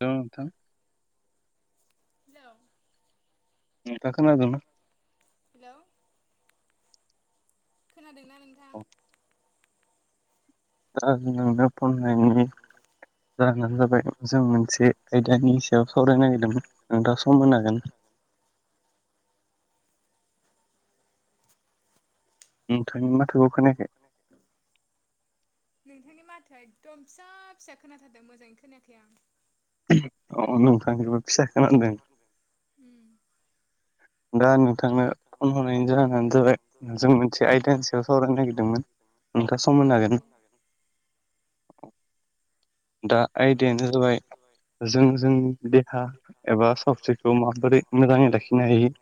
दं नोंथां हेलौ नोंथांङा खोनादोंना? हेलौ खोनादों ना? औ दा नोंनो फन हरनायनि [unintelligible] जाहोनानो जाबाय जों मोनसे आयदानि सायाव सावरायनो नागिरदोंमोन नोंथांङा सम होनो होगोन? [inaudible] नोंथांनि माथोखौ खोनायाखै नोंथांनि माथोआ एखदम फिसा फिसा खोनाथारदों मोजांङैनो खोनायाखै आं। अ नोंथांखौबो फिसा खोनादों। दा नोंथांनो फन हरनायनि जाहोनानो जाबाय जों मोनसे आयदानि सायाव सावरायनो नागिरदोंमोन। नोंथांङा सम होनो हागोन? दा आयदायानो जाबाय जों जोंनि देहा एबा सावस्रिखौ माबोरै मोजांङै लाखिनो हायो। [inaudible]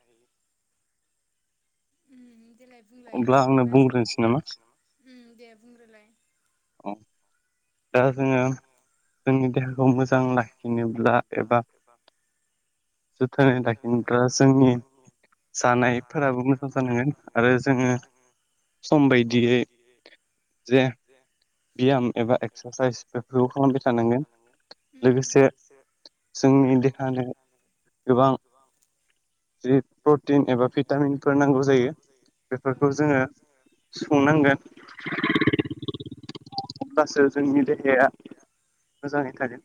देलाय बुंलाय जेनेबा जों उम दे बुंग्रोलाय दा जोंङो जोंनि देहाखौ मोजां लाखिनोब्ला एबा जोथोनै लाखिनोब्ला जोंनि जानायफोराबो मोजां जानांगोन आरो जोंङो सम बायदियै जे बियाम एबा एक एक्सारसाइस बिदिखौ खालामबाय थानांगोन उम लोगोसे जोंनि देहानि गोबां जि प्रटिन एबा भिटामिनफोर नांगौ जायो बेफोरखौ जोंङो सुफुंनांगोन होमब्लासो जोंनि देहाया मोजांङै थागोन।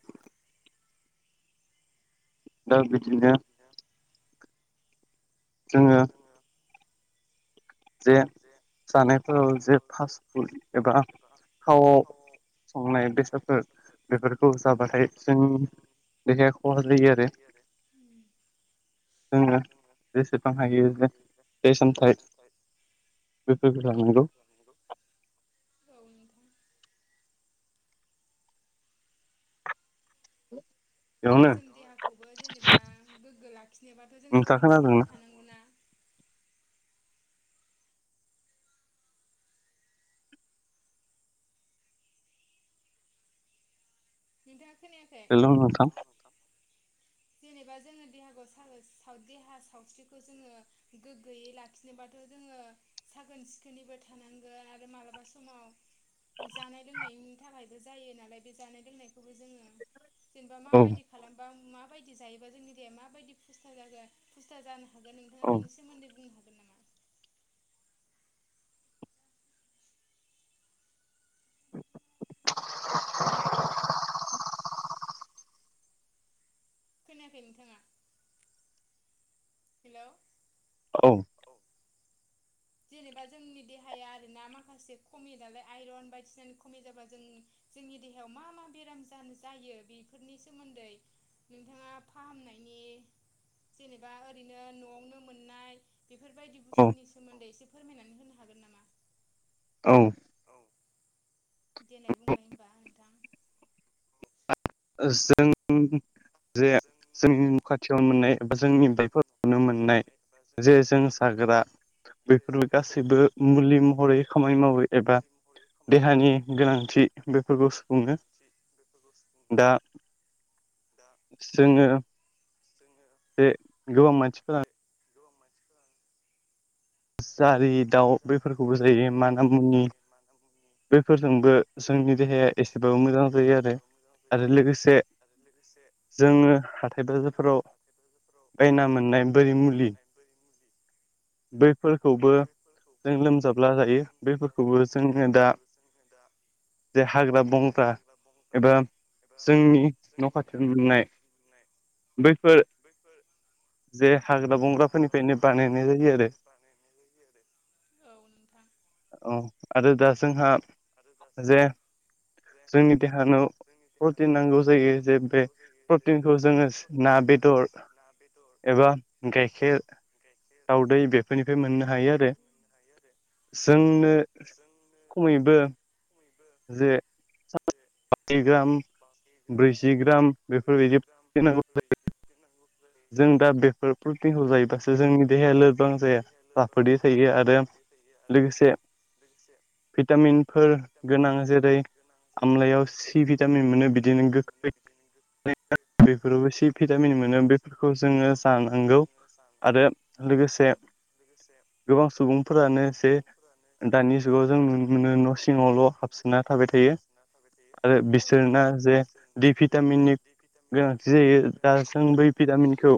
दा बिदिनो जोंङो जे जानायफोराव जे फास्टफुड एबा थावआव संनाय बेसादफोर बेफोरखौ जाबाथाय जोंनि बेफोरखो [unintelligible] जायो आरो जोंङो जेसेबां हायो जे फिथाइ सामथाइ बेफोरखौ जानो नांगौ औ नोंथां [inaudible] आरो जों देहाखौबो जेनेबा गोग्गो लाखिनोबाथ' जों साखोन सिखोनबो थानांगौ ना? नोंथांङा [unintelligible] हेलौ नोंथां [inaudible] जेनेबा जोंङो देहाखौ साव देहा सावस्रिखौ जोंङो गोग्गोयै लाखिनोबाथ' जोंङो ङो साखोन सिखोनैबो थानांगोन आरो मालाबा समाव जानाय लोंनायनि थाखायबो जायो नालाय बे जानाय लोंनाय खौबो जोंङो जेनेबा मााबायदि खालामबा माबायदि जायोबा जोंनि देहाया माबायदि फुस्था जागोन फुस्था जानो हागोन नोंथांङा बेनि सोमोन्दै बुंनो हा [inaudible] खोनायाखै नोंथांङा? हेलौ औ। जेनेबा जोंनि देहाया आरोना माखासे खमि दालाय आइरन बायदिसिना खमि जाबा जों जोंनि देहायाव मा मा बेराम जायो बेफोरनि सोमोन्दै नोंथाङा फाहामनायनि जेनेबा ओरैनो न'आवनो मोननाय। बेफोर बायदि बुस्थुनि सोमोन्दै हागोन नामा देेलाय बुंलाय होमबा नोंथां। जों जे जोंनि खाथियाव मोननाय बा जोंनि बेफोर नुनो मोननाय जे जों जाग्रा बेफोरबो गासैबो मुलि महरै खामानि मावो एबा देहानि गोनांथि बेफोरखौ सुफुङो दा जोङो बे गोबां मानसिफोरा [inaudible] जारि दाउ बेफोरखौबो जायो माना मुनि बेफोरजोंबो जोंनि देहाया एसेबाबो मोजां जायो आरो आरो लोगोसे जोङो हाथाय बाजारफोराव बै ना मोननाय बै मुलि फोरखौबो जों लोमजाब्ला जायो बेफोरखौबो जोङो दा जे हाग्रा बंग्रा एबा जोंनि न' खाथियाव मोननाय बैफोर जे हाग्रा बंग्राफोरनिफ्रायनो बानायनाय जायो आरो। औ आरो दा जोंहा जे जोंनि देहानो प्रटिन नांगौ जायो जे बे प्रटिनखौ जोङो ना बेदर एबा गाइखेर दाउदै बेफोरनिफ्राय मोननो हायो आरो जोंनो खमैबो जे [unintelligible] ब्रैजि ग्राम बेफोरबायदि फोनांगौ जायो। जों दा बेफोर प्रटिनखौ जायोबासो जोंनि देहाया लोरबां जाया राफोदै थायो आरो लोगोसे भिटामिनफोर गोनां जेरै आमलायाव सि भिटामिन मोनो बिदिनो गोखै बेफोरावबो सि भिटामिन मोनो बेफोरखौ जोङो जानांगौ। आरो लोगोसे गोबां सुबुंफोरानो एसे दानि जुगाव जों नु न' सिङावल' हाबसोना थाबाय थायो आरो बिसोरो जे दि भिटामिन भिटामिननि गोनांथि जायो दा जों बै भिटामिनखौ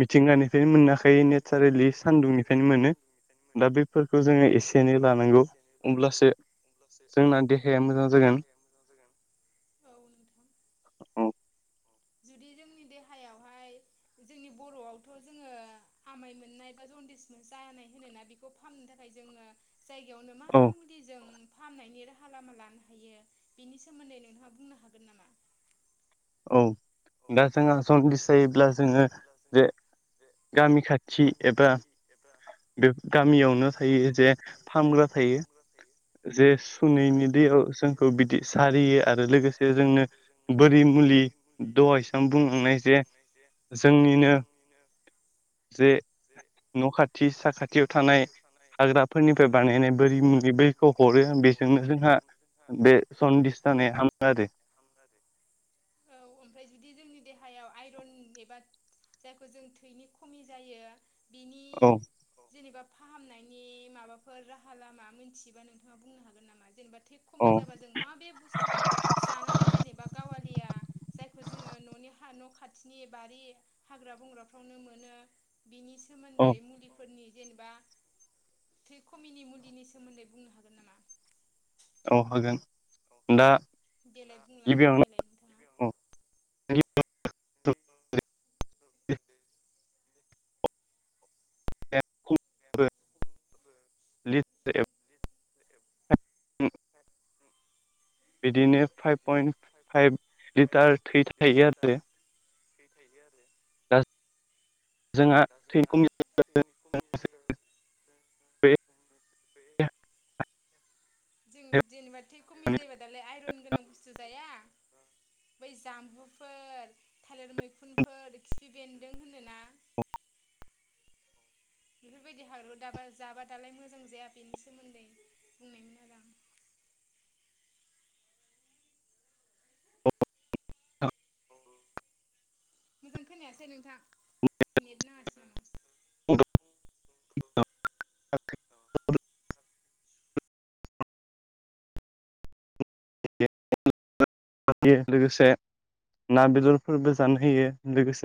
मिथिंगानिफ्रायनो मोनाखै नेचारेलि सान्दुंनिफ्रायनो मोनो दा बैफोरखौ जोङो एसे एनै लानांगौ। अब्लासो जोंना देहाया मोजां जागोन। औ। बे जोंनि देहायावहाय जोंनि बर'आवथ' जोङो आमाय मोननाय बा जनदिस मो जानाय होनोना बेखौ फाहामनो थाखाय जोङो जाय मा मा मुलिजों फाहामनायनि राहा लामा लानो हायो बिनि सोमोन्दै नोंथाङा बुंनो हागोन नामा? औ दा जोंहा सन्दिस जायोब्ला जोङो जे गामि खाथि एबा बे गामियावनो थायो जे फामग्रा थायो जे सुनैनि दैयाव जोंखौ बिदि सारियो आरो लोगोसे जोंनो बोरि [unintelligible] आं बुंनाय जे जोंनिनो जे न' खाथि साखाथियाव थानाय हाग्राफोरनिफ्राय बानायनाय बोरि मुलि बैखौ हरो बेजों जोंहा बे सदिस जानाया हामो आरो। औ ओमफ्राय जुदि जोंनि देहायाव आइरन एबा। जायखौ जों थैनि खमि जायो। औ जेनेबा फाहामनायनि माबाफोर राहा लामा मोनथियोबा नोंथाङा बुंनो हागोन नामा? जेनेबा थै खमि जाबा जों माबे बसुथुखौ जानानै जेनेबा गावारिया जायखौ जोङो। [unintelligible] सिनि बारि हाग्रा बंग्राफ्रावनो मोनो बिनि सोमोन्दै मुलिफोरनि। जेनेबा थै खमिनि मुलिनि सोमोन्दै बुंनो हागोन नामा? औ हागोन। देलाय बुंलाय फोरमायलाय नोंथाङा। [unintelligible] [unintelligible] बिदिनो फाइभ पइन्ट फाइभ लिटार थै थायो आरो। दा जोंहा थै खमि [unintelligible] जों जेनेबा थि खमि जायोबा दालाय आइरन गोनां बुस्थु जाया। [inaudible] [unintelligible] बै जामबुफोर थालिर मैखुनफोर खिफि बेन्दों होनोना। बेफोरबायदि हाग्रा दाबा जाबा दालाय मोजां जाया बेनि सोमोन्दै बुंनायमोन आरो आं। [inaudible] [unintelligible] मोजां खोनायाथै नोंथां नेट नाङासिग उनाव। [inaudible] [unintelligible] [inaudible] [unintelligible] लोगोसे ना बेदरफोरबो जानो होयो लोगोसे।